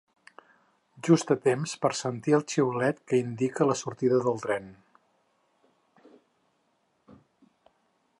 Just a temps per sentir el xiulet que indica la sortida del tren.